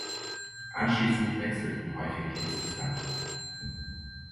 Anschließend wechselten häufig die Besitzer.